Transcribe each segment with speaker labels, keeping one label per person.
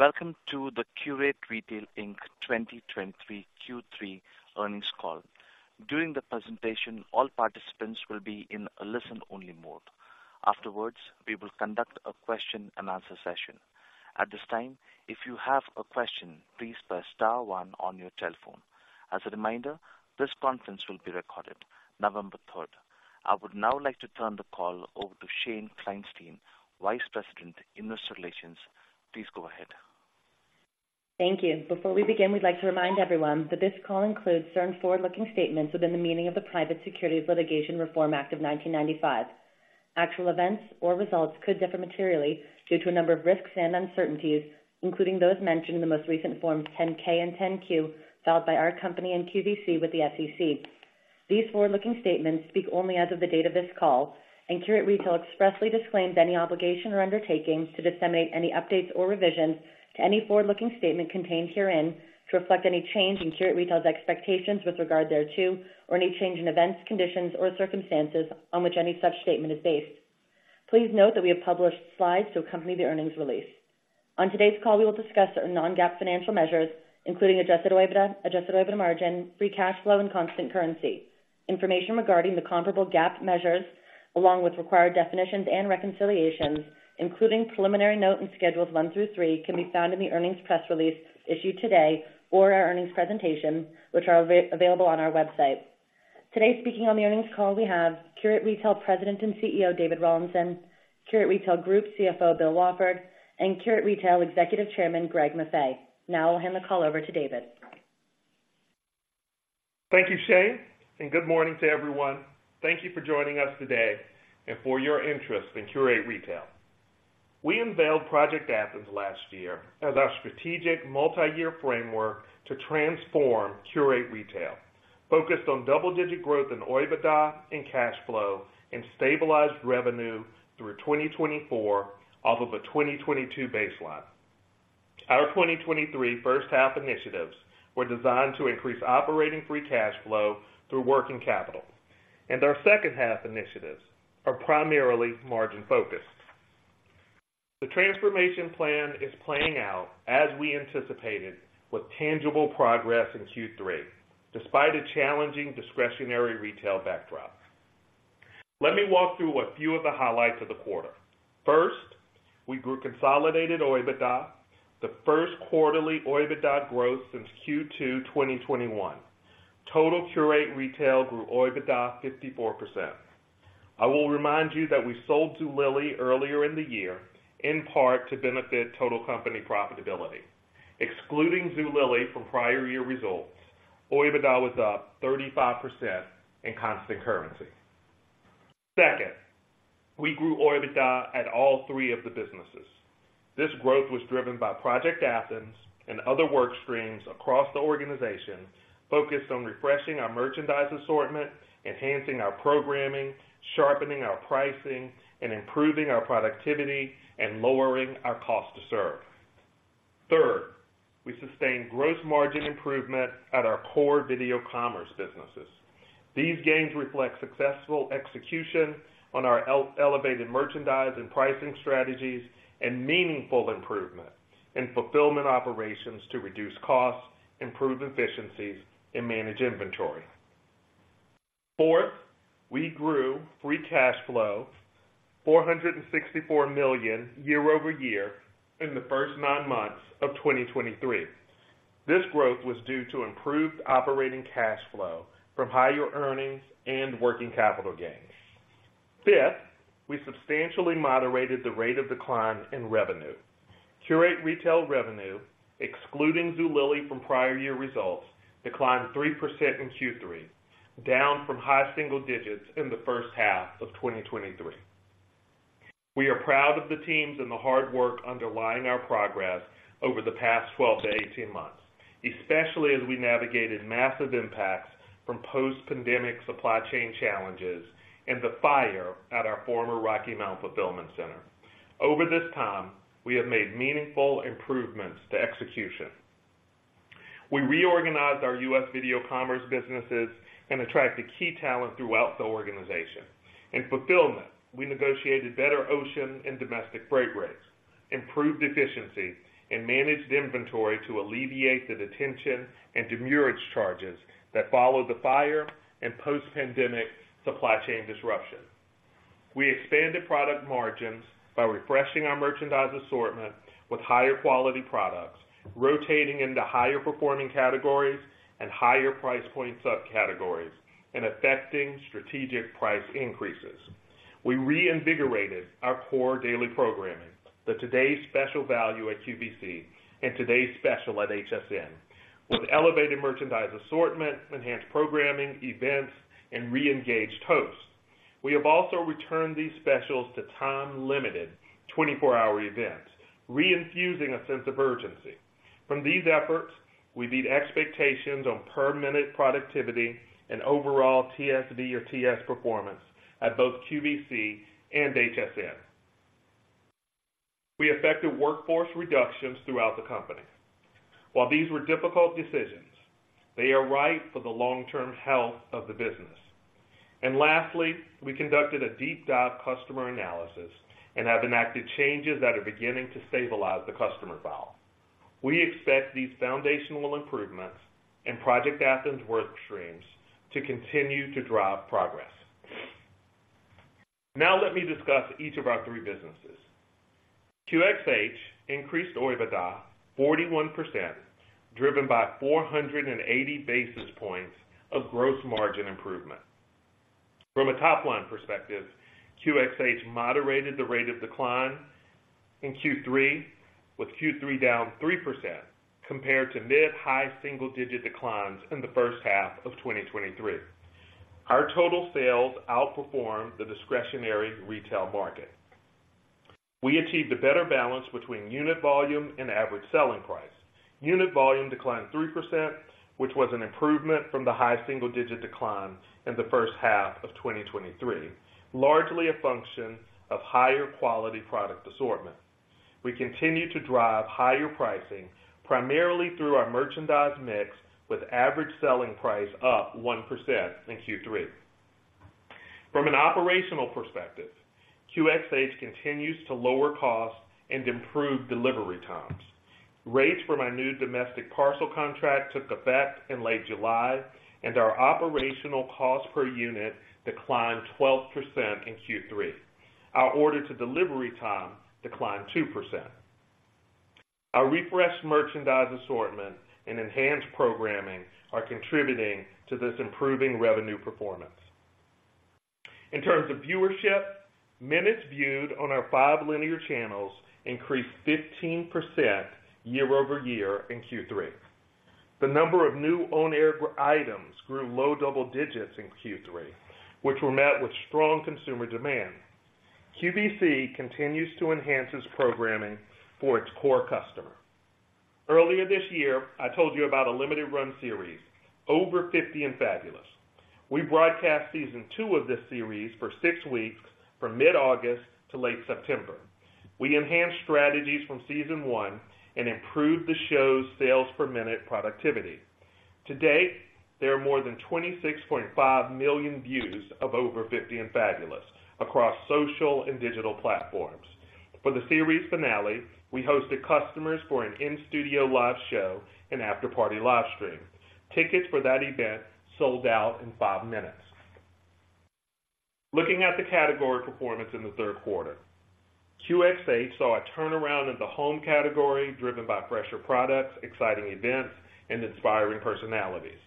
Speaker 1: Welcome to the Qurate Retail, Inc. 2023 Q3 Earnings Call. During the presentation, all participants will be in a listen-only mode. Afterwards, we will conduct a question-and-answer session. At this time, if you have a question, please press star one on your telephone. As a reminder, this conference will be recorded November third. I would now like to turn the call over to Shane Kleinstein, Vice President, Investor Relations. Please go ahead.
Speaker 2: Thank you. Before we begin, we'd like to remind everyone that this call includes certain forward-looking statements within the meaning of the Private Securities Litigation Reform Act of 1995. Actual events or results could differ materially due to a number of risks and uncertainties, including those mentioned in the most recent Forms 10-K and 10-Q, filed by our company and QVC with the SEC. These forward-looking statements speak only as of the date of this call, and Qurate Retail expressly disclaims any obligation or undertaking to disseminate any updates or revisions to any forward-looking statement contained herein to reflect any change in Qurate Retail's expectations with regard thereto, or any change in events, conditions, or circumstances on which any such statement is based. Please note that we have published slides to accompany the earnings release. On today's call, we will discuss our non-GAAP financial measures, including adjusted OIBDA, adjusted OIBDA margin, free cash flow, and constant currency. Information regarding the comparable GAAP measures, along with required definitions and reconciliations, including preliminary note and schedules 1 through 3, can be found in the earnings press release issued today or our earnings presentation, which are available on our website. Today, speaking on the earnings call, we have Qurate Retail President and Chief Executive Officer, David Rawlinson, Qurate Retail Group Chief Financial Officer, Bill Wafford, and Qurate Retail Executive Chairman, Greg Maffei. Now I'll hand the call over to David.
Speaker 3: Thank you, Shane, and good morning to everyone. Thank you for joining us today and for your interest in Qurate Retail. We unveiled Project Athens last year as our strategic multiyear framework to transform Qurate Retail, focused on double-digit growth in OIBDA and cash flow, and stabilized revenue through 2024 off of a 2022 baseline. Our 2023 first half initiatives were designed to increase operating free cash flow through working capital, and our second half initiatives are primarily margin-focused. The transformation plan is playing out as we anticipated, with tangible progress in Q3, despite a challenging discretionary retail backdrop. Let me walk through a few of the highlights of the quarter. First, we grew consolidated OIBDA, the first quarterly OIBDA growth since Q2 2021. Total Qurate Retail grew OIBDA 54%. I will remind you that we sold Zulily earlier in the year, in part to benefit total company profitability. Excluding Zulily from prior year results, OIBDA was up 35% in constant currency. Second, we grew OIBDA at all three of the businesses. This growth was driven by Project Athens and other work streams across the organization, focused on refreshing our merchandise assortment, enhancing our programming, sharpening our pricing, and improving our productivity and lowering our cost to serve. Third, we sustained gross margin improvement at our core video commerce businesses. These gains reflect successful execution on our elevated merchandise and pricing strategies, and meaningful improvement in fulfillment operations to reduce costs, improve efficiencies, and manage inventory. Fourth, we grew free cash flow, $464 million year-over-year in the first nine months of 2023. This growth was due to improved operating cash flow from higher earnings and working capital gains. Fifth, we substantially moderated the rate of decline in revenue. Qurate Retail revenue, excluding Zulily from prior year results, declined 3% in Q3, down from high single digits in the first half of 2023. We are proud of the teams and the hard work underlying our progress over the past 12-18 months, especially as we navigated massive impacts from post-pandemic supply chain challenges and the fire at our former Rocky Mount fulfillment center. Over this time, we have made meaningful improvements to execution. We reorganized our U.S. video commerce businesses and attracted key talent throughout the organization. In fulfillment, we negotiated better ocean and domestic freight rates, improved efficiency, and managed inventory to alleviate the detention and demurrage charges that followed the fire and post-pandemic supply chain disruption. We expanded product margins by refreshing our merchandise assortment with higher quality products, rotating into higher performing categories and higher price point subcategories, and affecting strategic price increases. We reinvigorated our core daily programming, the Today's Special Value at QVC and Today's Special at HSN, with elevated merchandise assortment, enhanced programming, events, and re-engaged hosts. We have also returned these specials to time-limited 24-hour events, reinfusing a sense of urgency. From these efforts, we beat expectations on per minute productivity and overall TSV or TS performance at both QVC and HSN. We affected workforce reductions throughout the company.... While these were difficult decisions, they are right for the long-term health of the business. And lastly, we conducted a deep dive customer analysis and have enacted changes that are beginning to stabilize the customer file. We expect these foundational improvements and Project Athens work streams to continue to drive progress. Now let me discuss each of our three businesses. QxH increased OIBDA 41%, driven by 480 basis points of gross margin improvement. From a top-line perspective, QxH moderated the rate of decline in Q3, with Q3 down 3% compared to mid-high single-digit declines in the first half of 2023. Our total sales outperformed the discretionary retail market. We achieved a better balance between unit volume and average selling price. Unit volume declined 3%, which was an improvement from the high single-digit decline in the first half of 2023, largely a function of higher quality product assortment. We continue to drive higher pricing, primarily through our merchandise mix, with average selling price up 1% in Q3. From an operational perspective, QxH continues to lower costs and improve delivery times. Rates for my new domestic parcel contract took effect in late July, and our operational cost per unit declined 12% in Q3. Our order to delivery time declined 2%. Our refreshed merchandise assortment and enhanced programming are contributing to this improving revenue performance. In terms of viewership, minutes viewed on our 5 linear channels increased 15% year-over-year in Q3. The number of new on-air items grew low double digits in Q3, which were met with strong consumer demand. QVC continues to enhance its programming for its core customer. Earlier this year, I told you about a limited run series, Over 50 & Fabulous. We broadcast season two of this series for six weeks from mid-August to late September. We enhanced strategies from season one and improved the show's sales per minute productivity. To date, there are more than 26.5 million views of Over 50 & Fabulous across social and digital platforms. For the series finale, we hosted customers for an in-studio live show and after-party live stream. Tickets for that event sold out in five minutes. Looking at the category performance in the third quarter, QxH saw a turnaround in the home category, driven by fresher products, exciting events, and inspiring personalities.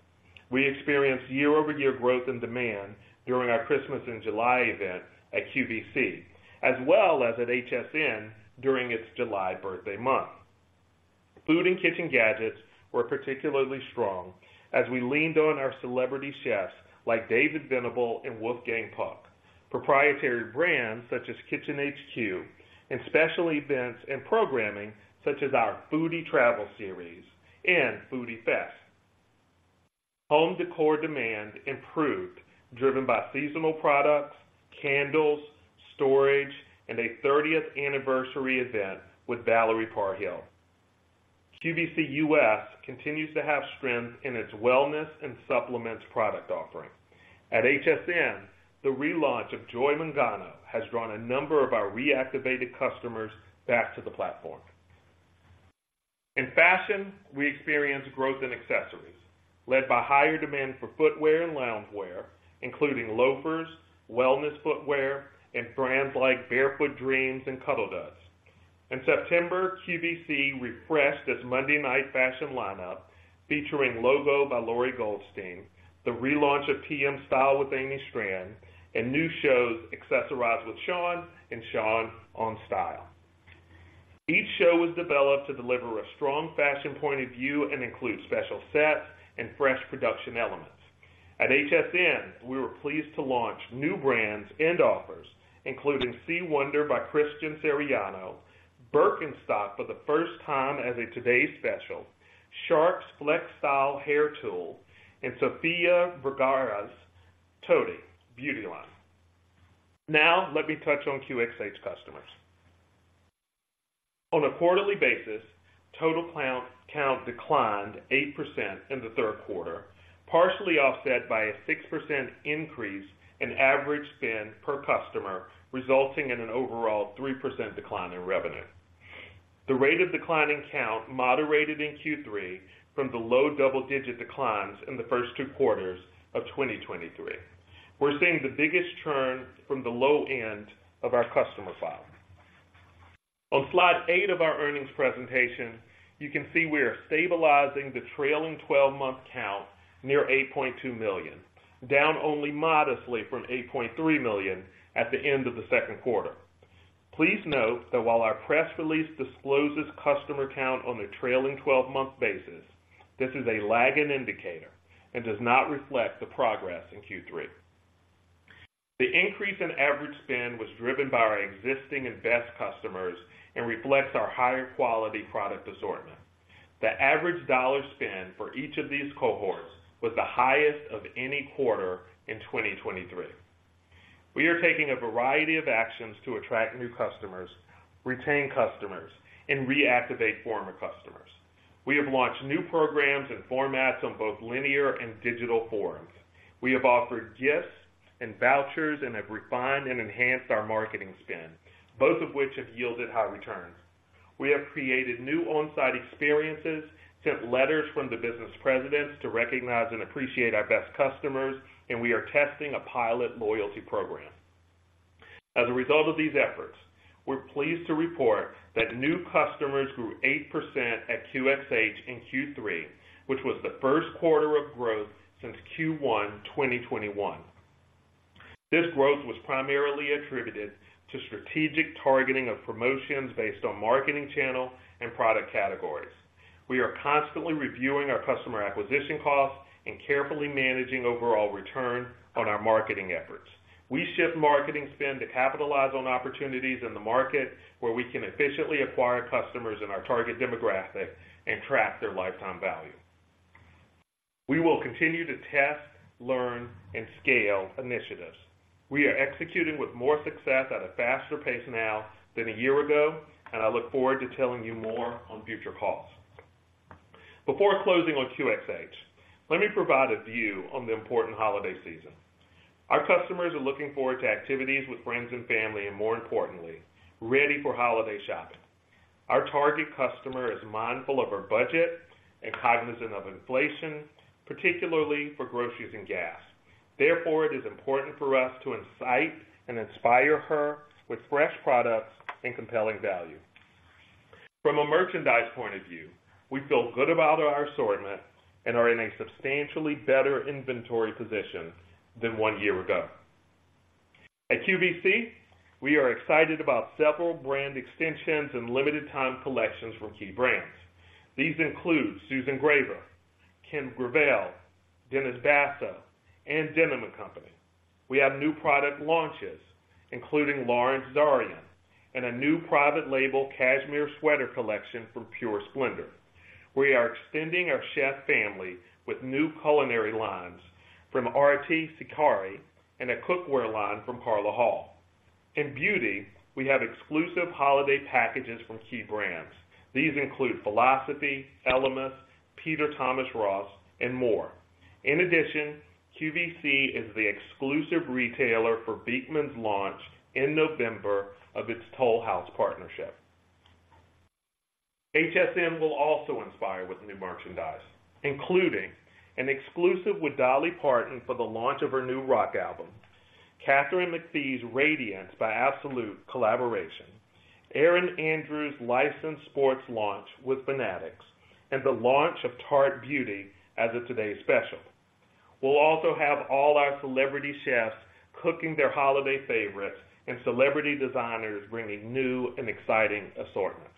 Speaker 3: We experienced year-over-year growth and demand during our Christmas in July event at QVC, as well as at HSN during its July birthday month. Food and kitchen gadgets were particularly strong as we leaned on our celebrity chefs, like David Venable and Wolfgang Puck, proprietary brands such as KitchenHQ, and special events and programming, such as our Foodie Travel Series and Foodie Fest. Home decor demand improved, driven by seasonal products, candles, storage, and a thirtieth anniversary event with Valerie Parr Hill. QVC U.S. continues to have strength in its wellness and supplements product offering. At HSN, the relaunch of Joy Mangano has drawn a number of our reactivated customers back to the platform. In fashion, we experienced growth in accessories, led by higher demand for footwear and loungewear, including loafers, wellness footwear, and brands like Barefoot Dreams and Cuddl Duds. In September, QVC refreshed its Monday night fashion lineup, featuring LOGO by Lori Goldstein, the relaunch of PM Style with Amy Stran, and new shows, Accessorize with Sean and Sean on Style. Each show was developed to deliver a strong fashion point of view and includes special sets and fresh production elements. At HSN, we were pleased to launch new brands and offers, including C. Wonder by Christian Siriano, Birkenstock for the first time as a Today's Special, Shark's FlexStyle hair tool, and Sofia Vergara's Toty Beauty line. Now let me touch on QxH customers. On a quarterly basis, total count, count declined 8% in the third quarter, partially offset by a 6% increase in average spend per customer, resulting in an overall 3% decline in revenue. The rate of decline in count moderated in Q3 from the low double-digit declines in the first two quarters of 2023. We're seeing the biggest turn from the low end of our customer file. On slide eight of our earnings presentation, you can see we are stabilizing the trailing twelve-month count near 8.2 million, down only modestly from 8.3 million at the end of the second quarter. Please note that while our press release discloses customer count on a trailing twelve-month basis, this is a lagging indicator and does not reflect the progress in Q3. The increase in average spend was driven by our existing and best customers and reflects our higher quality product assortment. The average dollar spend for each of these cohorts was the highest of any quarter in 2023.... We are taking a variety of actions to attract new customers, retain customers, and reactivate former customers. We have launched new programs and formats on both linear and digital forums. We have offered gifts and vouchers and have refined and enhanced our marketing spend, both of which have yielded high returns. We have created new on-site experiences, sent letters from the business presidents to recognize and appreciate our best customers, and we are testing a pilot loyalty program. As a result of these efforts, we're pleased to report that new customers grew 8% at QxH in Q3, which was the first quarter of growth since Q1, 2021. This growth was primarily attributed to strategic targeting of promotions based on marketing channel and product categories. We are constantly reviewing our customer acquisition costs and carefully managing overall return on our marketing efforts. We shift marketing spend to capitalize on opportunities in the market where we can efficiently acquire customers in our target demographic and track their lifetime value. We will continue to test, learn, and scale initiatives. We are executing with more success at a faster pace now than a year ago, and I look forward to telling you more on future calls. Before closing on QxH, let me provide a view on the important holiday season. Our customers are looking forward to activities with friends and family, and more importantly, ready for holiday shopping. Our target customer is mindful of her budget and cognizant of inflation, particularly for groceries and gas. Therefore, it is important for us to incite and inspire her with fresh products and compelling value. From a merchandise point of view, we feel good about our assortment and are in a substantially better inventory position than one year ago. At QVC, we are excited about several brand extensions and limited time collections from key brands. These include Susan Graver, Kim Gravel, Dennis Basso, and Denim & Co. We have new product launches, including Lawrence Zarian, and a new private label cashmere sweater collection from Pure Splendor. We are extending our chef family with new culinary lines from Aarti Sequeira and a cookware line from Carla Hall. In beauty, we have exclusive holiday packages from key brands. These include Philosophy, Elemis, Peter Thomas Roth, and more. In addition, QVC is the exclusive retailer for Beekman's launch in November of its Toll House partnership. HSN will also inspire with new merchandise, including an exclusive with Dolly Parton for the launch of her new rock album, Katharine McPhee's Radiance by Absolute Collaboration, Erin Andrews' licensed sports launch with Fanatics, and the launch of Tarte Beauty as today's special. We'll also have all our celebrity chefs cooking their holiday favorites and celebrity designers bringing new and exciting assortments.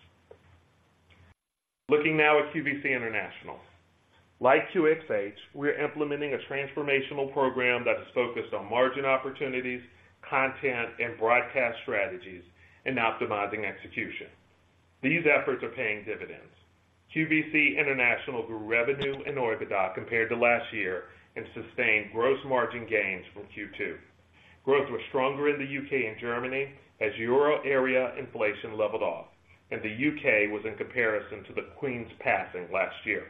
Speaker 3: Looking now at QVC International. Like QxH, we're implementing a transformational program that is focused on margin opportunities, content, and broadcast strategies, and optimizing execution. These efforts are paying dividends. QVC International grew revenue and OIBDA compared to last year and sustained gross margin gains from Q2. Growth was stronger in the U.K. and Germany as Euro area inflation leveled off, and the U.K. was in comparison to the Queen's passing last year.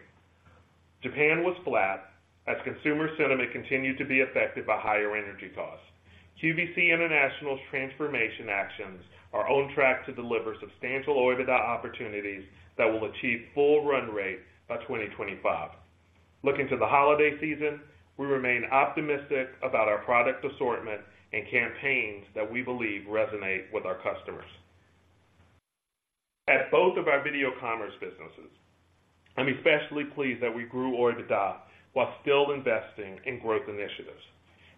Speaker 3: Japan was flat as consumer sentiment continued to be affected by higher energy costs. QVC International's transformation actions are on track to deliver substantial OIBDA opportunities that will achieve full run rate by 2025. Looking to the holiday season, we remain optimistic about our product assortment and campaigns that we believe resonate with our customers. At both of our video commerce businesses, I'm especially pleased that we grew OIBDA while still investing in growth initiatives.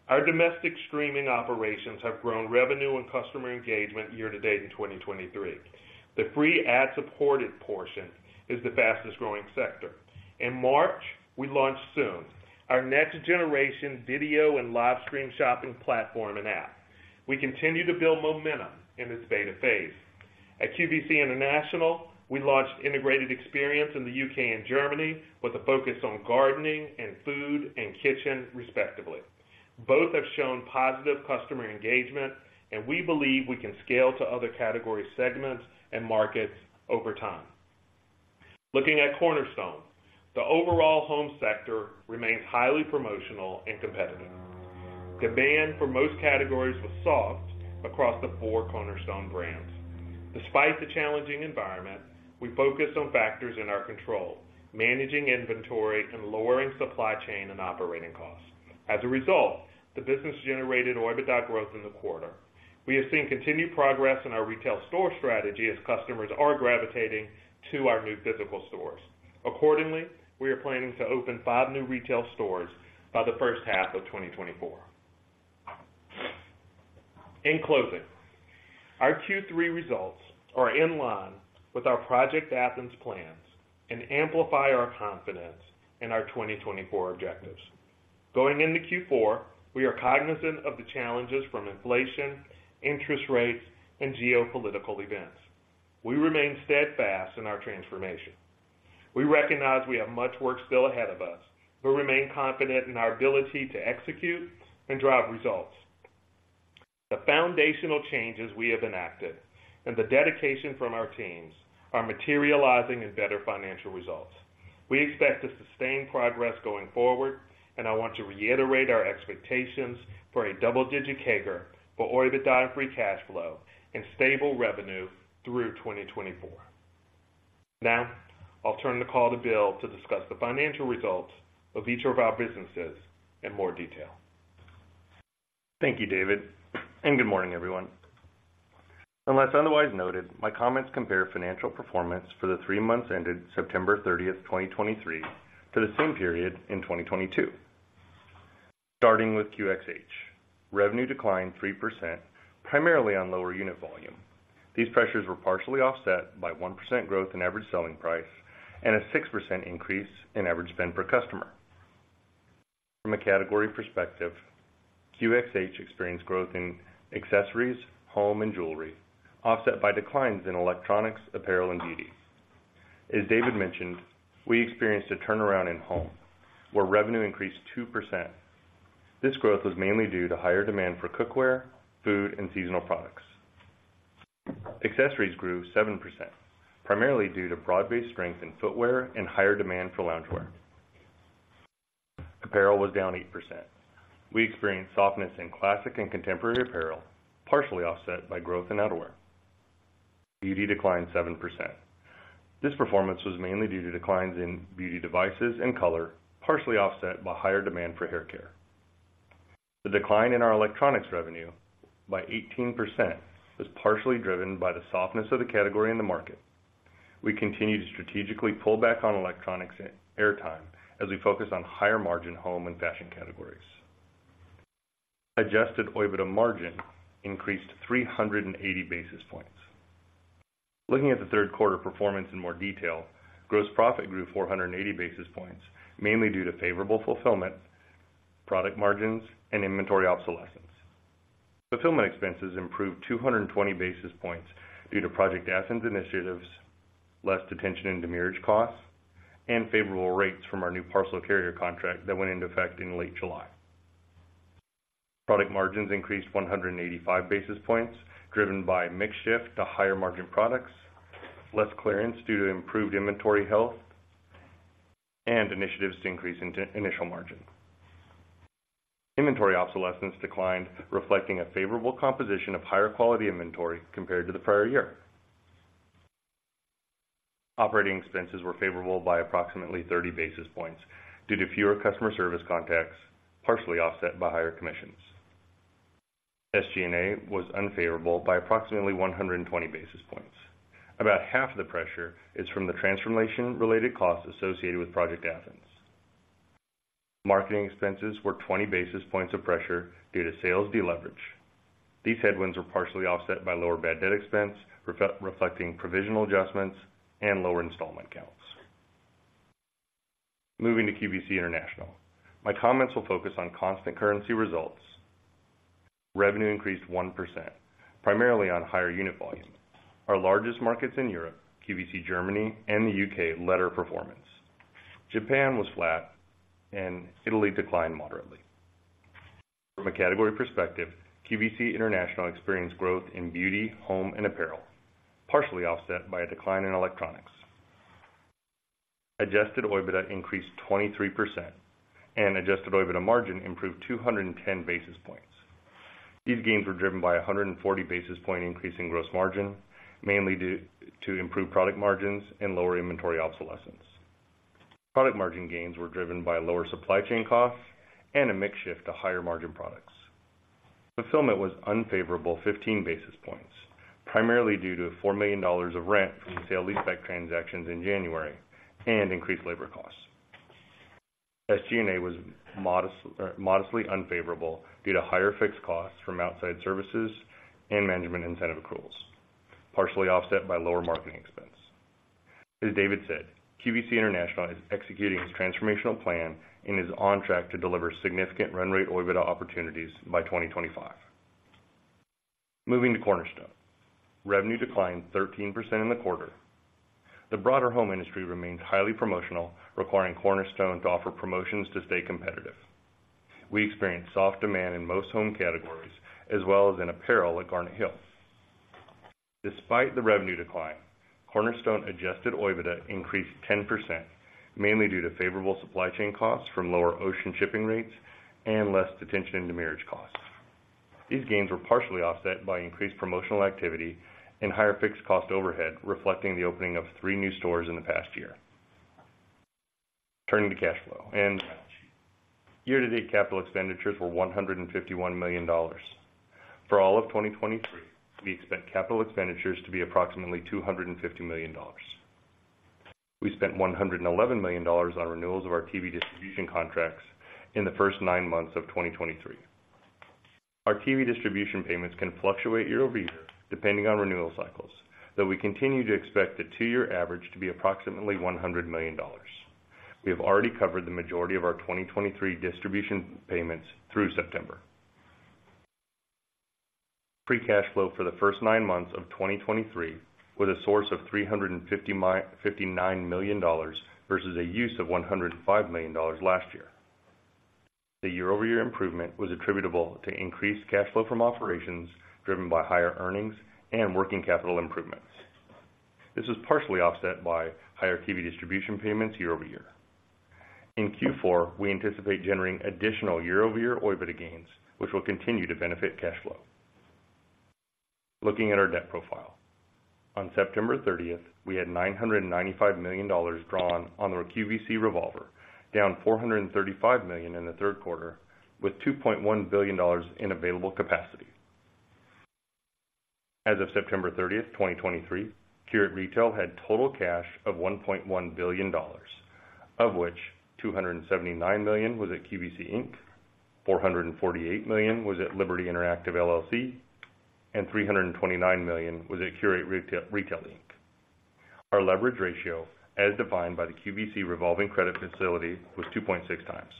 Speaker 3: Our domestic streaming operations have grown revenue and customer engagement year to date in 2023. The free ad-supported portion is the fastest growing sector. In March, we launched Sune, our next generation video and live stream shopping platform and app. We continue to build momentum in this beta phase. At QVC International, we launched integrated experience in the U.K. and Germany with a focus on gardening and food and kitchen, respectively. Both have shown positive customer engagement, and we believe we can scale to other category segments and markets over time. Looking at Cornerstone, the overall home sector remains highly promotional and competitive. Demand for most categories was soft across the four Cornerstone brands. Despite the challenging environment, we focused on factors in our control, managing inventory and lowering supply chain and operating costs. As a result, the business generated OIBDA growth in the quarter. We have seen continued progress in our retail store strategy as customers are gravitating to our new physical stores. Accordingly, we are planning to open five new retail stores by the first half of 2024. In closing, our Q3 results are in line with our Project Athens plans and amplify our confidence in our 2024 objectives. Going into Q4, we are cognizant of the challenges from inflation, interest rates, and geopolitical events. We remain steadfast in our transformation... We recognize we have much work still ahead of us, but remain confident in our ability to execute and drive results. The foundational changes we have enacted and the dedication from our teams are materializing in better financial results. We expect to sustain progress going forward, and I want to reiterate our expectations for a double-digit CAGR for OIBDA free cash flow and stable revenue through 2024. Now, I'll turn the call to Bill to discuss the financial results of each of our businesses in more detail.
Speaker 4: Thank you, David, and good morning, everyone. Unless otherwise noted, my comments compare financial performance for the three months ended September 30, 2023, to the same period in 2022. Starting with QxH. Revenue declined 3%, primarily on lower unit volume. These pressures were partially offset by 1% growth in average selling price and a 6% increase in average spend per customer. From a category perspective, QxH experienced growth in accessories, home, and jewelry, offset by declines in electronics, apparel, and beauty. As David mentioned, we experienced a turnaround in home, where revenue increased 2%. This growth was mainly due to higher demand for cookware, food, and seasonal products. Accessories grew 7%, primarily due to broad-based strength in footwear and higher demand for loungewear. Apparel was down 8%. We experienced softness in classic and contemporary apparel, partially offset by growth in outerwear. Beauty declined 7%. This performance was mainly due to declines in beauty devices and color, partially offset by higher demand for hair care. The decline in our electronics revenue by 18% was partially driven by the softness of the category in the market. We continue to strategically pull back on electronics airtime as we focus on higher-margin home and fashion categories. Adjusted OIBDA margin increased 380 basis points. Looking at the third quarter performance in more detail, gross profit grew 480 basis points, mainly due to favorable fulfillment, product margins, and inventory obsolescence. Fulfillment expenses improved 220 basis points due to Project Athens initiatives, less detention and demurrage costs, and favorable rates from our new parcel carrier contract that went into effect in late July. Product margins increased 185 basis points, driven by mix shift to higher-margin products, less clearance due to improved inventory health, and initiatives to increase initial margin. Inventory obsolescence declined, reflecting a favorable composition of higher quality inventory compared to the prior year. Operating expenses were favorable by approximately 30 basis points due to fewer customer service contacts, partially offset by higher commissions. SG&A was unfavorable by approximately 120 basis points. About half of the pressure is from the transformation-related costs associated with Project Athens. Marketing expenses were 20 basis points of pressure due to sales deleverage. These headwinds were partially offset by lower bad debt expense, reflecting provisional adjustments and lower installment counts. Moving to QVC International. My comments will focus on constant currency results. Revenue increased 1%, primarily on higher unit volume. Our largest markets in Europe, QVC Germany and the U.K., led our performance. Japan was flat and Italy declined moderately. From a category perspective, QVC International experienced growth in beauty, home, and apparel, partially offset by a decline in electronics. Adjusted OIBDA increased 23%, and adjusted OIBDA margin improved 210 basis points. These gains were driven by a 140 basis point increase in gross margin, mainly due to improved product margins and lower inventory obsolescence. Product margin gains were driven by lower supply chain costs and a mix shift to higher-margin products. Fulfillment was unfavorable 15 basis points, primarily due to $4 million of rent from the sale-leaseback transactions in January and increased labor costs. SG&A was modestly unfavorable due to higher fixed costs from outside services and management incentive accruals, partially offset by lower marketing expense. As David said, QVC International is executing its transformational plan and is on track to deliver significant run rate OIBDA opportunities by 2025. Moving to Cornerstone. Revenue declined 13% in the quarter. The broader home industry remains highly promotional, requiring Cornerstone to offer promotions to stay competitive. We experienced soft demand in most home categories, as well as in apparel at Garnet Hill. Despite the revenue decline, Cornerstone adjusted OIBDA increased 10%, mainly due to favorable supply chain costs from lower ocean shipping rates and less detention and demurrage costs. These gains were partially offset by increased promotional activity and higher fixed cost overhead, reflecting the opening of three new stores in the past year. Turning to cash flow and balance sheet. Year-to-date capital expenditures were $151 million. For all of 2023, we expect capital expenditures to be approximately $250 million. We spent $111 million on renewals of our TV distribution contracts in the first nine months of 2023. Our TV distribution payments can fluctuate year-over-year, depending on renewal cycles, though we continue to expect the two-year average to be approximately $100 million. We have already covered the majority of our 2023 distribution payments through September. Free cash flow for the first nine months of 2023, with a source of $359 million versus a use of $105 million last year. The year-over-year improvement was attributable to increased cash flow from operations, driven by higher earnings and working capital improvements. This was partially offset by higher TV distribution payments year-over-year. In Q4, we anticipate generating additional year-over-year OIBDA gains, which will continue to benefit cash flow. Looking at our debt profile. On September 30th, we had $995 million drawn on the QVC revolver, down $435 million in the third quarter, with $2.1 billion in available capacity. As of September 30th, 2023, Qurate Retail had total cash of $1.1 billion, of which $279 million was at QVC Inc, $448 million was at Liberty Interactive LLC, and $329 million was at Qurate Retail Inc. Our leverage ratio, as defined by the QVC revolving credit facility, was 2.6 times.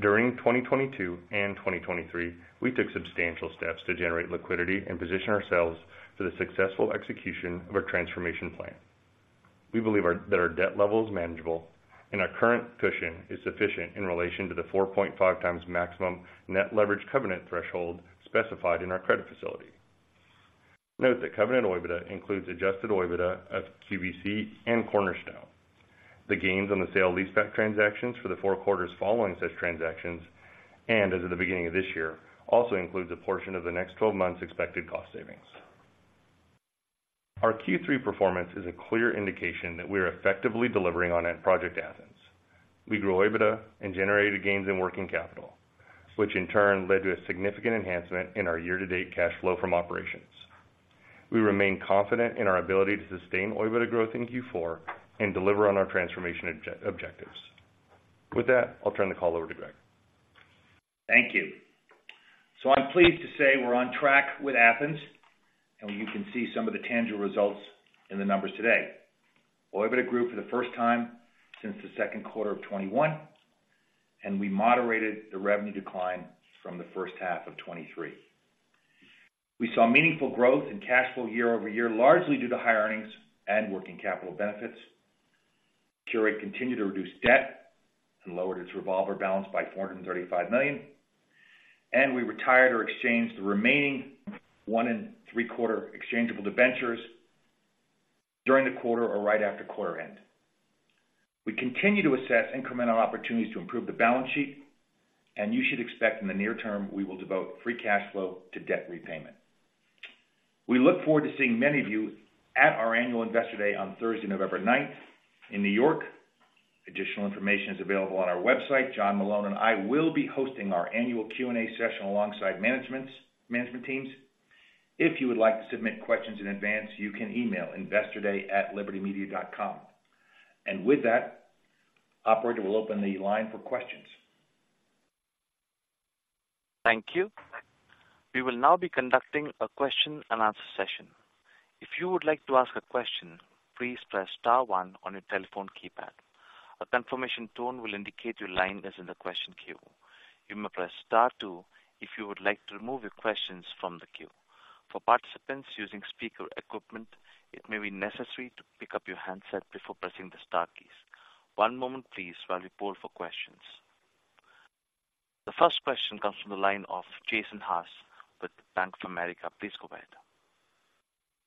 Speaker 4: During 2022 and 2023, we took substantial steps to generate liquidity and position ourselves for the successful execution of our transformation plan. We believe that our debt level is manageable, and our current cushion is sufficient in relation to the 4.5 times maximum net leverage covenant threshold specified in our credit facility. Note that covenant OIBDA includes adjusted OIBDA at QVC and Cornerstone. The gains on the sale-leaseback transactions for the 4 quarters following such transactions, and as of the beginning of this year, also includes a portion of the next 12 months expected cost savings. Our Q3 performance is a clear indication that we are effectively delivering on Project Athens. We grew OIBDA and generated gains in working capital, which in turn led to a significant enhancement in our year-to-date cash flow from operations. We remain confident in our ability to sustain OIBDA growth in Q4 and deliver on our transformation objectives. With that, I'll turn the call over to Greg.
Speaker 5: Thank you. So I'm pleased to say we're on track with Athens, and you can see some of the tangible results in the numbers today. OIBDA grew for the first time since the second quarter of 2021, and we moderated the revenue decline from the first half of 2023. We saw meaningful growth in cash flow year-over-year, largely due to higher earnings and working capital benefits. Qurate continued to reduce debt and lowered its revolver balance by $435 million, and we retired or exchanged the remaining 1¾ exchangeable debentures during the quarter or right after quarter end. We continue to assess incremental opportunities to improve the balance sheet, and you should expect in the near term, we will devote free cash flow to debt repayment. We look forward to seeing many of you at our Annual Investor Day on Thursday, November ninth, in New York. Additional information is available on our website. John Malone and I will be hosting our annual Q&A session alongside management teams. If you would like to submit questions in advance, you can email investorday@libertymedia.com. With that, operator will open the line for questions.
Speaker 1: Thank you. We will now be conducting a question and answer session. If you would like to ask a question, please press star one on your telephone keypad. A confirmation tone will indicate your line is in the question queue. You may press star two if you would like to remove your questions from the queue. For participants using speaker equipment, it may be necessary to pick up your handset before pressing the star keys. One moment please, while we poll for questions. The first question comes from the line of Jason Haas with Bank of America. Please go ahead.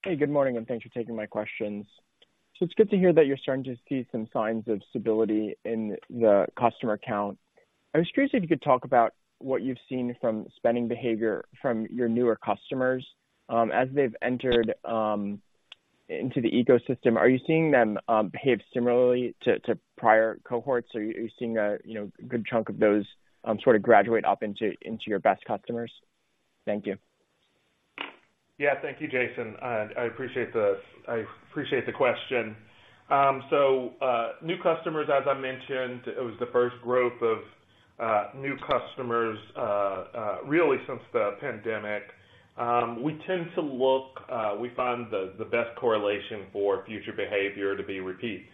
Speaker 6: Hey, good morning, and thanks for taking my questions. So it's good to hear that you're starting to see some signs of stability in the customer count. I was curious if you could talk about what you've seen from spending behavior from your newer customers as they've entered into the ecosystem. Are you seeing them behave similarly to prior cohorts, or are you seeing, you know, a good chunk of those sort of graduate up into your best customers? Thank you.
Speaker 3: Yeah. Thank you, Jason. I appreciate the question. So new customers, as I mentioned, it was the first growth of new customers really since the pandemic. We tend to look. We find the best correlation for future behavior to be repeat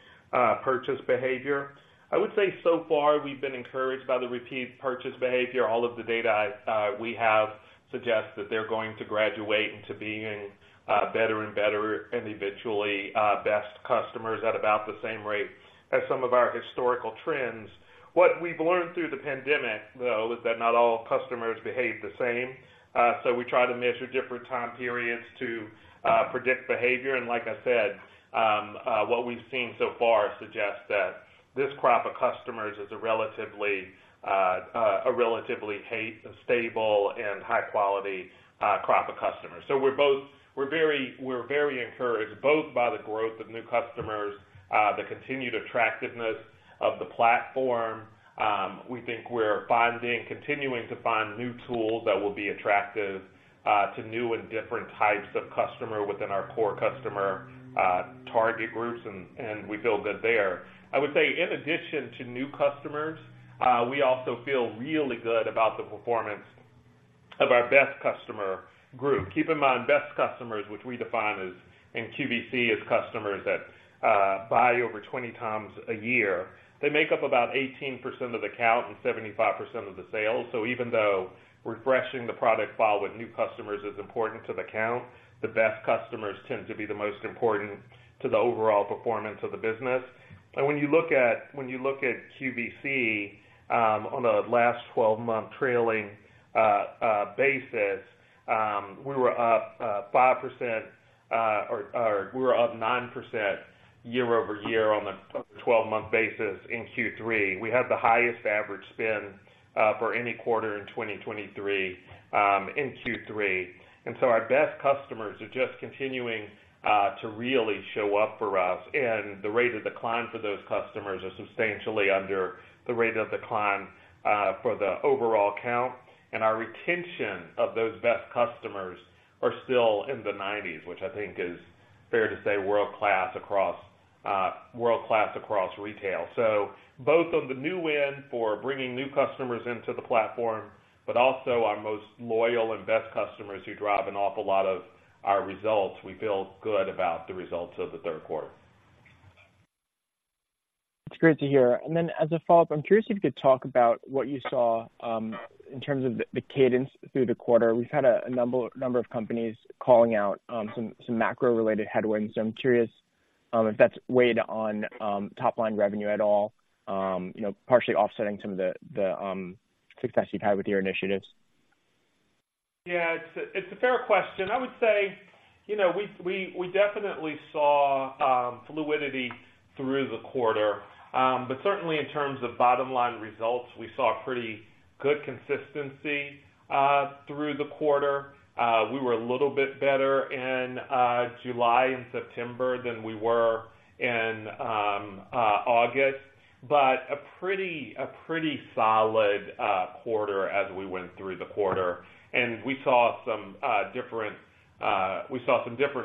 Speaker 3: purchase behavior. I would say so far, we've been encouraged by the repeat purchase behavior. All of the data we have suggests that they're going to graduate into being better and better, and eventually best customers at about the same rate as some of our historical trends. What we've learned through the pandemic, though, is that not all customers behave the same. So we try to measure different time periods to predict behavior. Like I said, what we've seen so far suggests that this crop of customers is a relatively healthy, stable, and high-quality crop of customers. So we're very encouraged both by the growth of new customers, the continued attractiveness of the platform. We think we're continuing to find new tools that will be attractive to new and different types of customer within our core customer target groups, and we feel good there. I would say, in addition to new customers, we also feel really good about the performance... of our best customer group. Keep in mind, best customers, which we define as, in QVC, as customers that buy over 20 times a year, they make up about 18% of the count and 75% of the sales. So even though refreshing the product file with new customers is important to the count, the best customers tend to be the most important to the overall performance of the business. And when you look at QVC, on the last 12-month trailing basis, we were up five percent, or we were up 9% year over year on the 12-month basis in Q3. We had the highest average spend for any quarter in 2023, in Q3. So our best customers are just continuing to really show up for us, and the rate of decline for those customers are substantially under the rate of decline for the overall account. Our retention of those best customers are still in the nineties, which I think is fair to say, world class across world class across retail. Both on the new win for bringing new customers into the platform, but also our most loyal and best customers who drive an awful lot of our results, we feel good about the results of the third quarter.
Speaker 6: It's great to hear. And then as a follow-up, I'm curious if you could talk about what you saw in terms of the cadence through the quarter. We've had a number of companies calling out some macro-related headwinds. So I'm curious if that's weighed on top-line revenue at all, you know, partially offsetting some of the success you've had with your initiatives.
Speaker 3: Yeah, it's a fair question. I would say, you know, we definitely saw fluidity through the quarter. But certainly in terms of bottom-line results, we saw pretty good consistency through the quarter. We were a little bit better in July and September than we were in August, but a pretty solid quarter as we went through the quarter. And we saw some different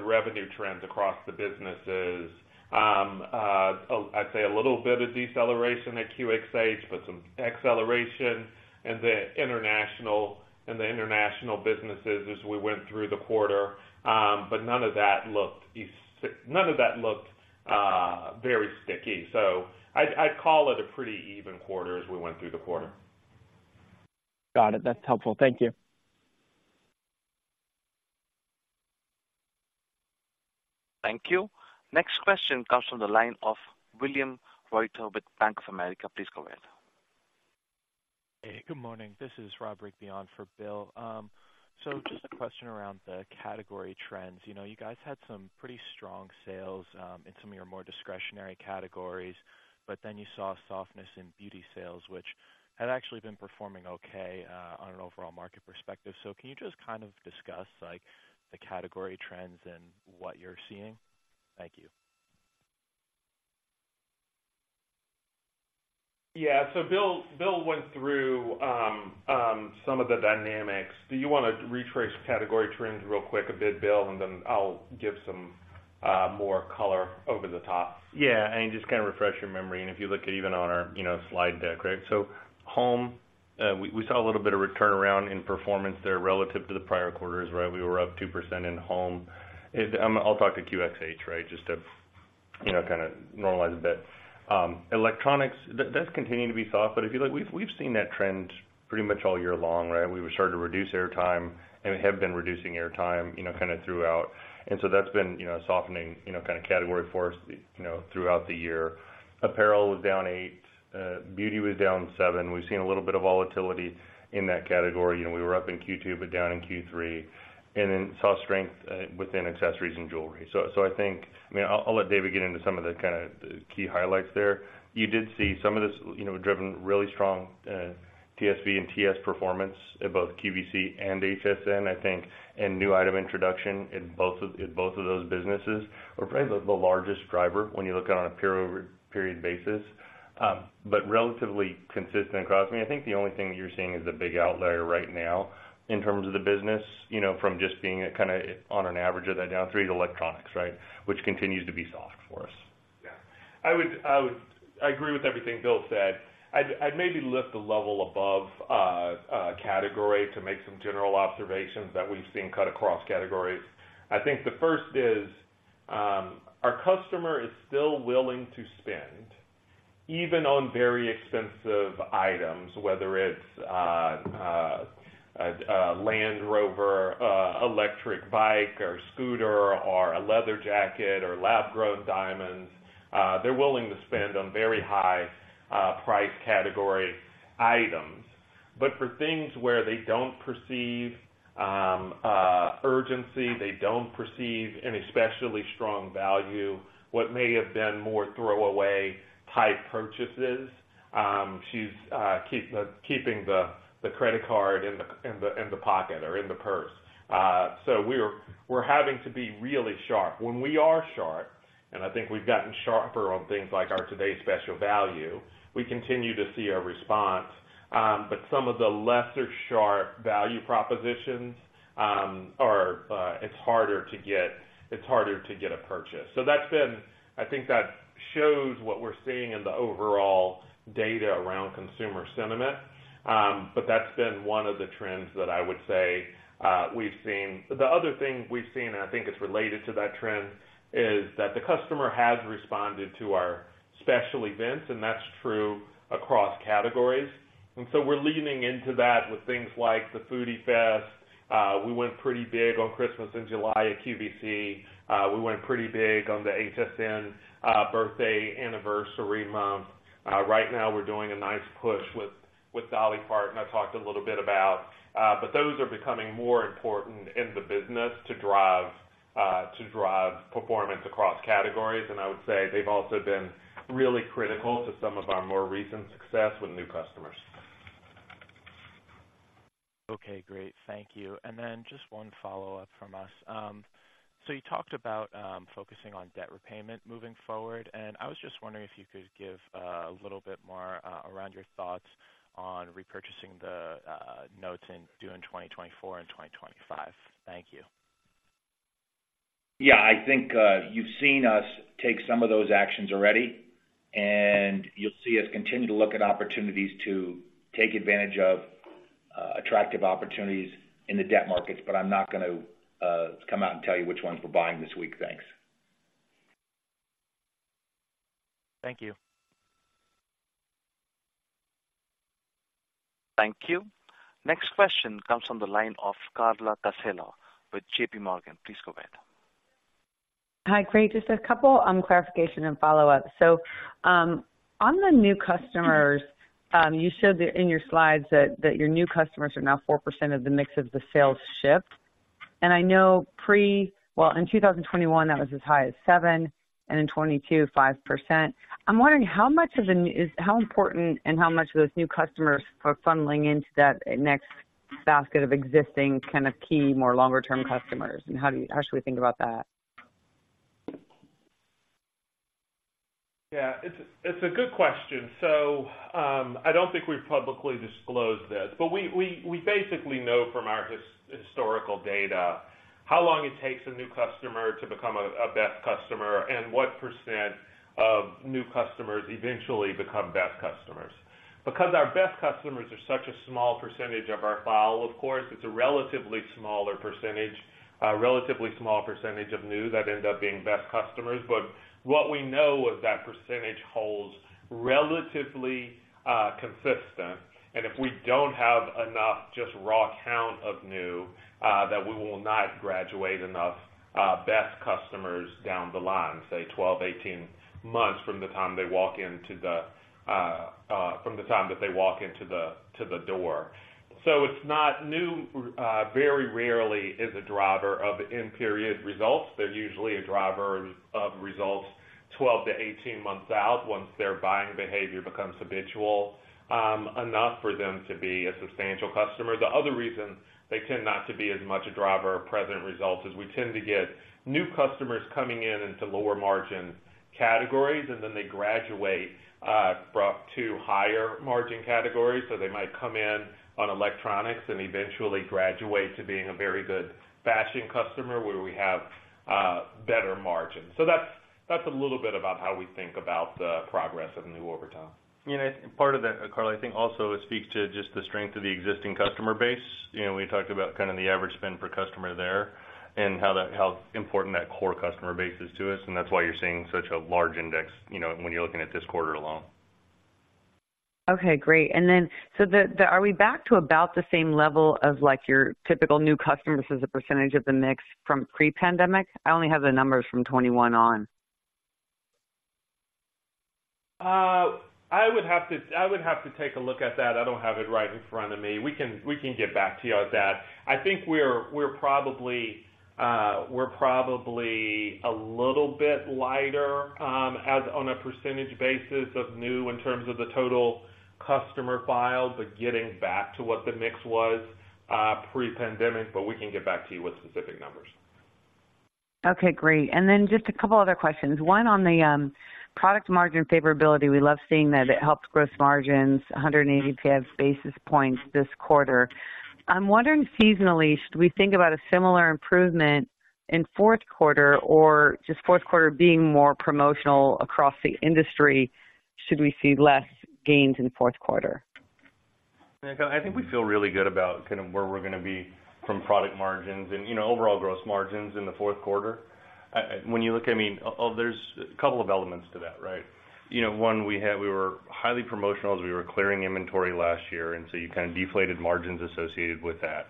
Speaker 3: revenue trends across the businesses. I'd say a little bit of deceleration at QxH, but some acceleration in the international businesses as we went through the quarter. But none of that looked very sticky. So I'd call it a pretty even quarter as we went through the quarter.
Speaker 6: Got it. That's helpful. Thank you.
Speaker 1: Thank you. Next question comes from the line of William Reutter with Bank of America. Please go ahead.
Speaker 7: Hey, good morning. This is Rob Rigby on for Bill. So just a question around the category trends. You know, you guys had some pretty strong sales in some of your more discretionary categories, but then you saw softness in beauty sales, which had actually been performing okay on an overall market perspective. So can you just kind of discuss, like, the category trends and what you're seeing? Thank you.
Speaker 3: Yeah. So Bill, Bill went through some of the dynamics. Do you want to retrace category trends real quick a bit, Bill, and then I'll give some more color over the top?
Speaker 4: Yeah, and just kind of refresh your memory, and if you look at even on our, you know, slide deck, right? So home, we saw a little bit of return around in performance there relative to the prior quarters, right? We were up 2% in home. I'll talk to QxH, right, just to, you know, kind of normalize a bit. Electronics, that's continuing to be soft, but if you look, we've seen that trend pretty much all year long, right? We started to reduce airtime, and we have been reducing airtime, you know, kind of throughout. And so that's been, you know, softening, you know, kind of category for us, you know, throughout the year. Apparel was down 8%, beauty was down 7%. We've seen a little bit of volatility in that category. You know, we were up in Q2, but down in Q3, and then saw strength within accessories and jewelry. So I think... I mean, I'll let David get into some of the kind of key highlights there. You did see some of this, you know, driven really strong TSV and TS performance at both QVC and HSN, I think, and new item introduction in both of those businesses are probably the largest driver when you look on a period-over-period basis, but relatively consistent across. I mean, I think the only thing you're seeing is a big outlier right now in terms of the business, you know, from just being a kind of on an average of that down three electronics, right? Which continues to be soft for us.
Speaker 3: Yeah. I would agree with everything Bill said. I'd maybe lift the level above category to make some general observations that we've seen cut across categories. I think the first is, our customer is still willing to spend, even on very expensive items, whether it's a Land Rover, electric bike or scooter, or a leather jacket, or lab-grown diamonds, they're willing to spend on very high price category items. But for things where they don't perceive urgency, they don't perceive an especially strong value, what may have been more throwaway type purchases, she's keeping the credit card in the pocket or in the purse. So we're having to be really sharp. When we are sharp, and I think we've gotten sharper on things like our Today's Special Value, we continue to see a response. But some of the lesser sharp value propositions are, it's harder to get a purchase. So that's been. I think that shows what we're seeing in the overall data around consumer sentiment. But that's been one of the trends that I would say, we've seen. The other thing we've seen, and I think it's related to that trend, is that the customer has responded to our special events, and that's true across categories. And so we're leaning into that with things like the Foodie Fest. We went pretty big on Christmas in July at QVC. We went pretty big on the HSN birthday anniversary month. Right now, we're doing a nice push with, with Dolly Parton. I talked a little bit about, but those are becoming more important in the business to drive, to drive performance across categories. And I would say they've also been really critical to some of our more recent success with new customers.
Speaker 7: Okay, great. Thank you. And then just one follow-up from us. So you talked about focusing on debt repayment moving forward, and I was just wondering if you could give a little bit more around your thoughts on repurchasing the notes due in 2024 and 2025. Thank you.
Speaker 5: Yeah, I think, you've seen us take some of those actions already, and you'll see us continue to look at opportunities to take advantage of attractive opportunities in the debt markets, but I'm not gonna come out and tell you which ones we're buying this week. Thanks.
Speaker 7: Thank you.
Speaker 1: Thank you. Next question comes from the line of Carla Casella with JP Morgan. Please go ahead.
Speaker 8: Hi, great. Just a couple, clarification and follow-up. So, on the new customers, you showed there in your slides that, that your new customers are now 4% of the mix of the sales shift. And I know... Well, in 2021, that was as high as 7%, and in 2022, 5%. I'm wondering how much of the new-- is-- how important and how much of those new customers are funneling into that next basket of existing kind of key, more longer-term customers, and how do you-- how should we think about that?
Speaker 3: Yeah, it's a good question. So, I don't think we've publicly disclosed this, but we basically know from our historical data, how long it takes a new customer to become a best customer, and what percent of new customers eventually become best customers. Because our best customers are such a small percentage of our file, of course, it's a relatively small percentage of new that end up being best customers. But what we know is that percentage holds relatively consistent, and if we don't have enough, just raw count of new, that we will not graduate enough best customers down the line, say, 12, 18 months from the time they walk into the door. So it's not new, very rarely is a driver of the in-period results. They're usually a driver of results 12-18 months out, once their buying behavior becomes habitual, enough for them to be a substantial customer. The other reason they tend not to be as much a driver of present results is we tend to get new customers coming in into lower margin categories, and then they graduate, up to higher margin categories. So they might come in on electronics and eventually graduate to being a very good fashion customer, where we have, better margins. So that's, that's a little bit about how we think about the progress of new over time.
Speaker 4: You know, part of that, Carla, I think also it speaks to just the strength of the existing customer base. You know, we talked about kind of the average spend per customer there and how important that core customer base is to us, and that's why you're seeing such a large index, you know, when you're looking at this quarter alone.
Speaker 8: Okay, great. And then, so are we back to about the same level of, like, your typical new customers as a percentage of the mix from pre-pandemic? I only have the numbers from 2021 on.
Speaker 3: I would have to, I would have to take a look at that. I don't have it right in front of me. We can, we can get back to you on that. I think we're, we're probably, we're probably a little bit lighter, as on a percentage basis of new in terms of the total customer file, but getting back to what the mix was, pre-pandemic, but we can get back to you with specific numbers.
Speaker 8: Okay, great. And then just a couple other questions. One, on the product margin favorability, we love seeing that it helped gross margins 180 basis points this quarter. I'm wondering seasonally, should we think about a similar improvement in fourth quarter, or just fourth quarter being more promotional across the industry, should we see less gains in fourth quarter?
Speaker 4: I think we feel really good about kind of where we're gonna be from product margins and, you know, overall gross margins in the fourth quarter. When you look, I mean, there's a couple of elements to that, right? You know, one, we had we were highly promotional as we were clearing inventory last year, and so you kind of deflated margins associated with that.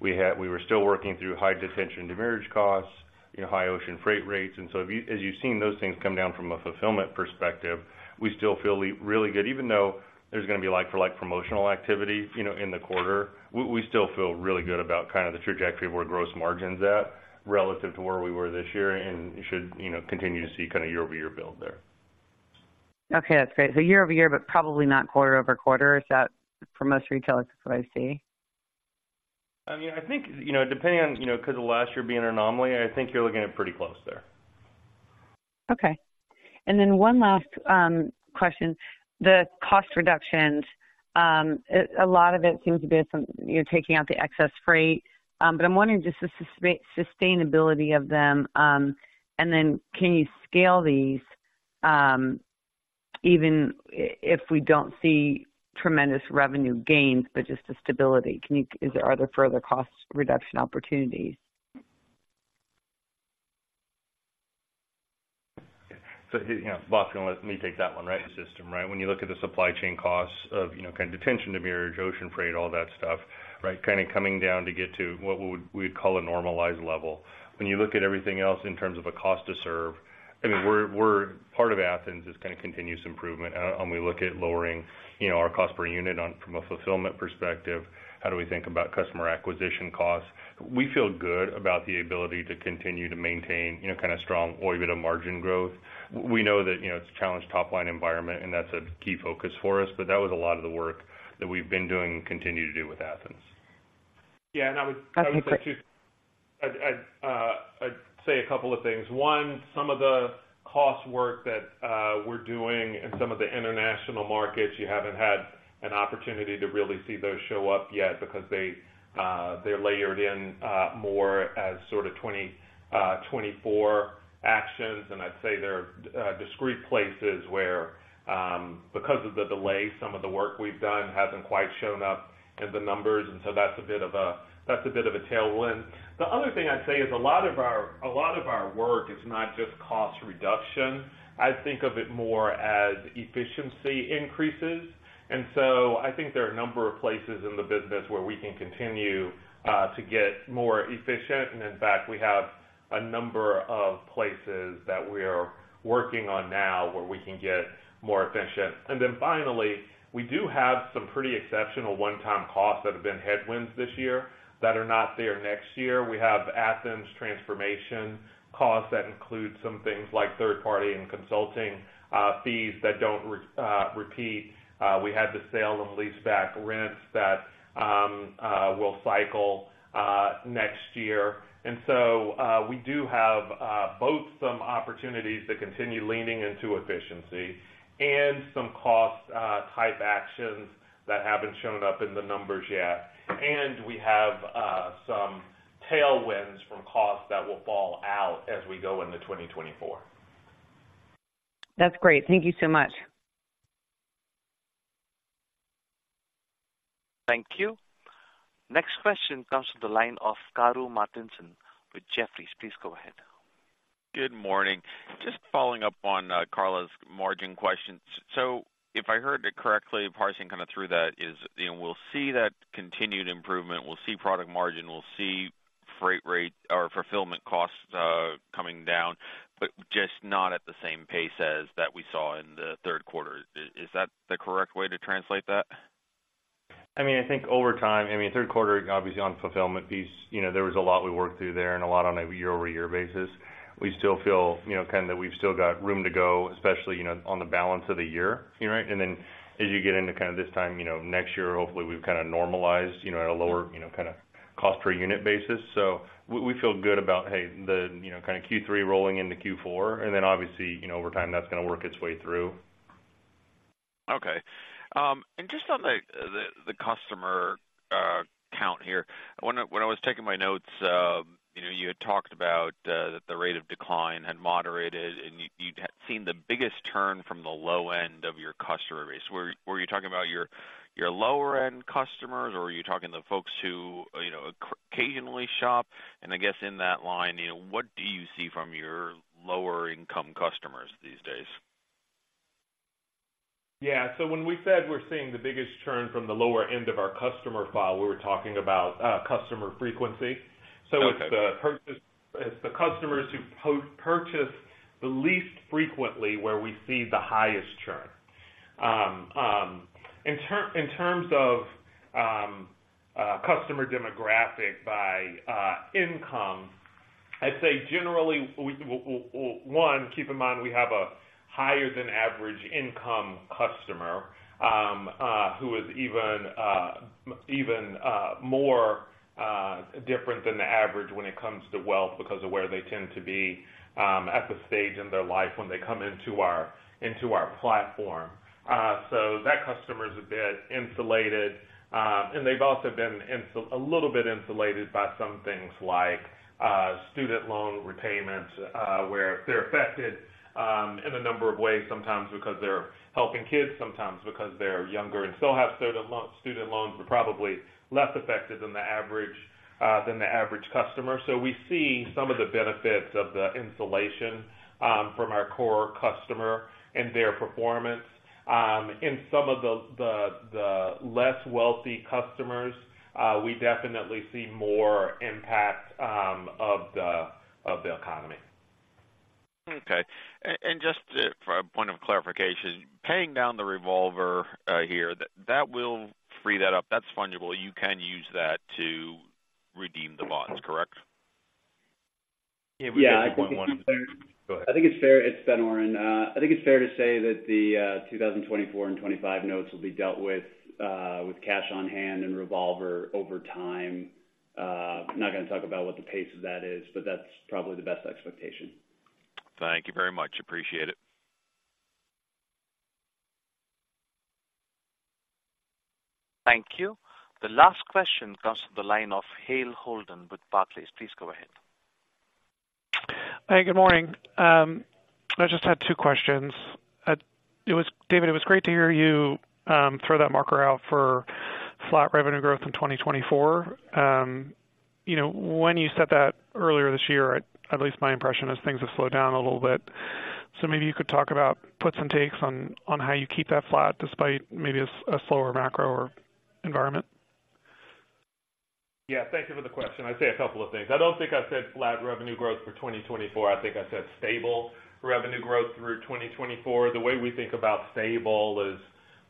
Speaker 4: We had we were still working through high detention and demurrage costs, you know, high ocean freight rates. And so if you as you've seen those things come down from a fulfillment perspective, we still feel really good. Even though there's gonna be like-for-like promotional activity, you know, in the quarter, we, we still feel really good about kind of the trajectory of where gross margin's at, relative to where we were this year, and you should, you know, continue to see kind of year-over-year build there.
Speaker 8: Okay, that's great. So year-over-year, but probably not quarter-over-quarter. Is that for most retailers, that's what I see?
Speaker 4: I mean, I think, you know, depending on, you know, 'cause of last year being an anomaly, I think you're looking at pretty close there.
Speaker 8: Okay. And then one last question. The cost reductions, a lot of it seems to be some—you're taking out the excess freight, but I'm wondering just the sustainability of them, and then can you scale these, even if we don't see tremendous revenue gains, but just the stability? Can you—is there—are there further cost reduction opportunities?
Speaker 4: So, you know, Bob's gonna let me take that one, right? System, right. When you look at the supply chain costs of, you know, kind of detention, demurrage, ocean freight, all that stuff, right? Kind of coming down to get to what we would, we'd call a normalized level. When you look at everything else in terms of a cost to serve, I mean, we're part of Athens is kind of continuous improvement, and we look at lowering, you know, our cost per unit on from a fulfillment perspective. How do we think about customer acquisition costs? We feel good about the ability to continue to maintain, you know, kind of strong or even a margin growth. We know that, you know, it's a challenged top line environment, and that's a key focus for us, but that was a lot of the work that we've been doing and continue to do with Athens.
Speaker 3: Yeah, and I would say—I'd say a couple of things. One, some of the cost work that we're doing in some of the international markets, you haven't had an opportunity to really see those show up yet because they're layered in more as sort of 2024 actions. And I'd say they're discrete places where, because of the delay, some of the work we've done hasn't quite shown up in the numbers, and so that's a bit of a tailwind. The other thing I'd say is a lot of our work is not just cost reduction. I think of it more as efficiency increases. And so I think there are a number of places in the business where we can continue to get more efficient. In fact, we have a number of places that we are working on now where we can get more efficient. And then finally, we do have some pretty exceptional one-time costs that have been headwinds this year that are not there next year. We have Athens transformation costs that include some things like third-party and consulting fees that don't repeat. We had the sale-leaseback rents that will cycle next year. And so, we do have both some opportunities to continue leaning into efficiency and some cost type actions that haven't shown up in the numbers yet. And we have some tailwinds from costs that will fall out as we go into 2024.
Speaker 8: That's great. Thank you so much.
Speaker 1: Thank you. Next question comes from the line of Karru Martinson with Jefferies. Please go ahead.
Speaker 9: Good morning. Just following up on Carla's margin question. So if I heard it correctly, parsing kind of through that is, you know, we'll see that continued improvement, we'll see product margin, we'll see freight rate or fulfillment costs coming down, but just not at the same pace as that we saw in the third quarter. Is that the correct way to translate that?
Speaker 4: I mean, I think over time, I mean, third quarter, obviously, on fulfillment piece, you know, there was a lot we worked through there and a lot on a year-over-year basis. We still feel, you know, kind of that we've still got room to go, especially, you know, on the balance of the year, you know? And then as you get into kind of this time, you know, next year, hopefully, we've kind of normalized, you know, at a lower, you know, kind of cost per unit basis. So we, we feel good about, hey, the, you know, kind of Q3 rolling into Q4, and then obviously, you know, over time, that's gonna work its way through.
Speaker 9: Okay. And just on the customer count here, when I was taking my notes, you know, you had talked about that the rate of decline had moderated, and you'd seen the biggest turn from the low end of your customer base. Were you talking about your lower-end customers, or were you talking to the folks who, you know, occasionally shop? And I guess in that line, you know, what do you see from your lower-income customers these days?
Speaker 3: Yeah, so when we said we're seeing the biggest churn from the lower end of our customer file, we were talking about customer frequency.
Speaker 9: Okay.
Speaker 3: So it's the customers who purchase the least frequently where we see the highest churn. In terms of customer demographic by income, I'd say generally, keep in mind, we have a higher than average income customer who is even more different than the average when it comes to wealth because of where they tend to be at the stage in their life when they come into our platform. So that customer is a bit insulated, and they've also been a little bit insulated by some things like student loan repayment, where they're affected in a number of ways, sometimes because they're helping kids, sometimes because they're younger and still have student loans, but probably less affected than the average customer. So we see some of the benefits of the insulation from our core customer and their performance. In some of the less wealthy customers, we definitely see more impact of the economy.
Speaker 9: Okay. And just for a point of clarification, paying down the revolver here, that will free that up. That's fungible. You can use that to redeem the bonds, correct?
Speaker 5: Yeah, we got 0.1. Yeah, I think it's fair-
Speaker 4: Go ahead.
Speaker 5: I think it's fair... It's Ben Oren. I think it's fair to say that the 2024 and 25 notes will be dealt with with cash on hand and revolver over time. I'm not gonna talk about what the pace of that is, but that's probably the best expectation.
Speaker 9: Thank you very much. Appreciate it.
Speaker 1: Thank you. The last question comes from the line of Hale Holden with Barclays. Please go ahead.
Speaker 10: Hey, good morning. I just had two questions. It was, David, it was great to hear you throw that marker out for flat revenue growth in 2024. You know, when you said that earlier this year, at least my impression is things have slowed down a little bit. So maybe you could talk about puts and takes on how you keep that flat despite maybe a slower macro environment?
Speaker 3: Yeah, thank you for the question. I'd say a couple of things. I don't think I said flat revenue growth for 2024. I think I said stable revenue growth through 2024. The way we think about stable is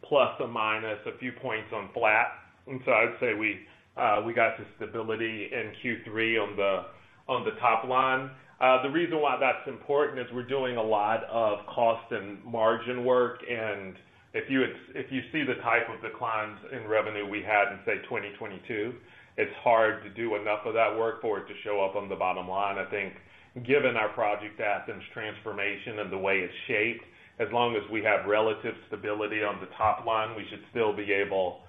Speaker 3: plus or minus a few points on flat. And so I'd say we, we got to stability in Q3 on the, on the top line. The reason why that's important is we're doing a lot of cost and margin work, and if you see the type of declines in revenue we had in, say, 2022, it's hard to do enough of that work for it to show up on the bottom line. I think given our Project Athens transformation and the way it's shaped, as long as we have relative stability on the top line, we should still be able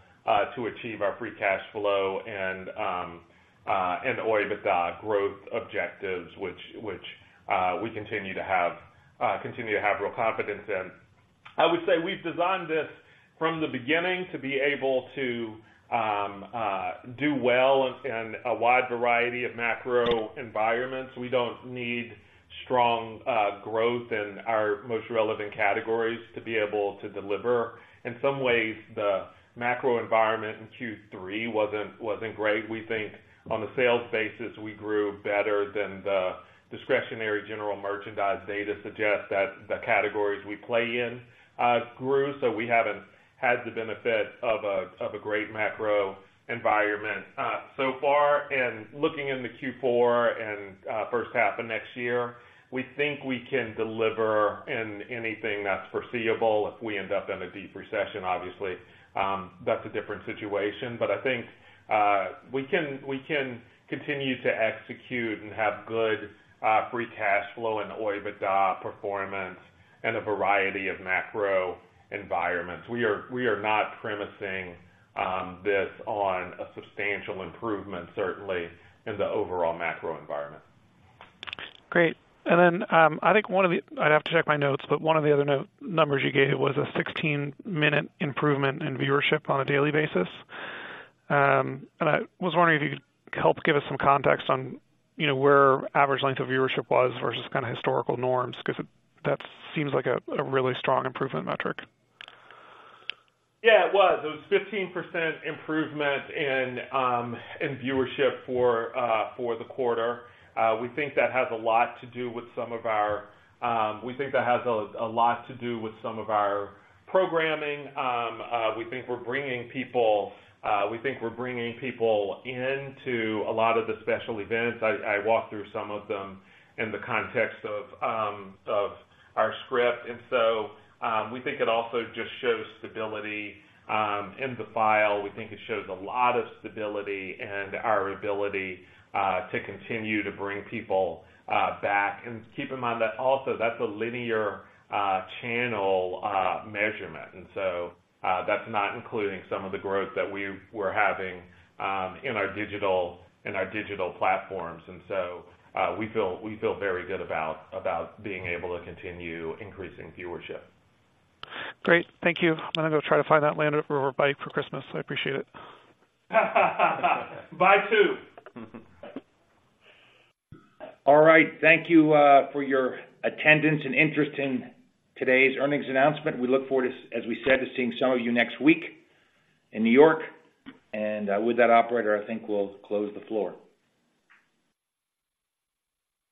Speaker 3: to achieve our free cash flow and, and OIBDA growth objectives, which, we continue to have real confidence in. I would say we've designed this from the beginning to be able to do well in a wide variety of macro environments. We don't need strong growth in our most relevant categories to be able to deliver. In some ways, the macro environment in Q3 wasn't great. We think on a sales basis, we grew better than the discretionary general merchandise data suggests that the categories we play in grew, so we haven't had the benefit of a great macro environment so far. Looking into Q4 and first half of next year, we think we can deliver in anything that's foreseeable. If we end up in a deep recession, obviously, that's a different situation. But I think, we can, we can continue to execute and have good, free cash flow and OIBDA performance in a variety of macro environments. We are, we are not premising, this on a substantial improvement, certainly in the overall macro environment.
Speaker 10: Great. Then, I think one of the—I'd have to check my notes, but one of the other numbers you gave was a 16-minute improvement in viewership on a daily basis. And I was wondering if you could help give us some context on, you know, where average length of viewership was versus kind of historical norms, 'cause that seems like a really strong improvement metric.
Speaker 3: Yeah, it was. It was 15% improvement in viewership for the quarter. We think that has a lot to do with some of our. We think that has a lot to do with some of our programming. We think we're bringing people, we think we're bringing people into a lot of the special events. I walked through some of them in the context of our script. And so, we think it also just shows stability in the file. We think it shows a lot of stability and our ability to continue to bring people back. And keep in mind that also that's a linear channel measurement, and so, that's not including some of the growth that we were having in our digital platforms. And so, we feel very good about being able to continue increasing viewership.
Speaker 10: Great, thank you. I'm gonna go try to find that Land Rover bike for Christmas. I appreciate it.
Speaker 3: Buy two.
Speaker 5: All right. Thank you, for your attendance and interest in today's earnings announcement. We look forward to, as we said, to seeing some of you next week in New York. With that, operator, I think we'll close the floor.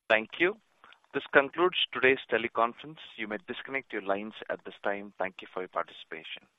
Speaker 1: Thank you. This concludes today's teleconference. You may disconnect your lines at this time. Thank you for your participation.